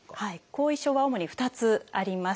後遺症は主に２つあります。